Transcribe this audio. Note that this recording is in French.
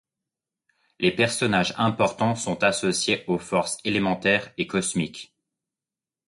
Les personnages importants sont associés aux forces élémentaires et cosmiques.